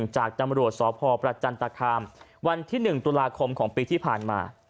จากตำรวจสพประจันตคามวันที่๑ตุลาคมของปีที่ผ่านมา